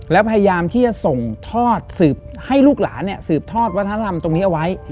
แล้วพยายามที่จะส่งทอดสืบให้ลูกหลานสืบทอดวัฒนธรรมตรงนี้เอาไว้